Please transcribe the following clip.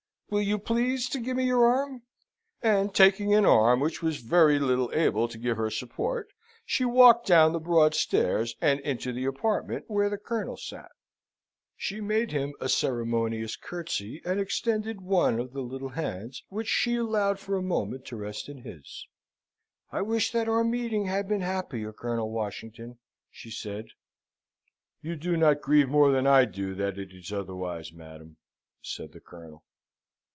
Will you please to give me your arm?" And taking an arm which was very little able to give her support, she walked down the broad stairs, and into the apartment where the Colonel sate. She made him a ceremonious curtsey, and extended one of the little hands, which she allowed for a moment to rest in his. "I wish that our meeting had been happier, Colonel Washington," she said. "You do not grieve more than I do that it is otherwise, madam," said the Colonel.